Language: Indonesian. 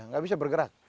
nggak bisa bergerak